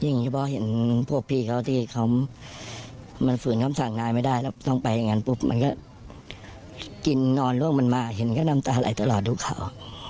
เฉพาะเห็นพวกพี่เขาที่เขามันฝืนคำสั่งนายไม่ได้แล้วต้องไปอย่างนั้นปุ๊บมันก็กินนอนร่วงมันมาเห็นก็น้ำตาไหลตลอดทุกข่าว